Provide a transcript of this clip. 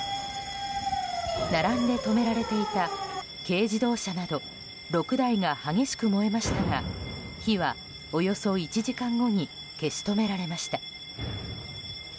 並んで止められていた軽自動車など６台が激しく燃えましたが火はおよそ１時間後に消し止められました。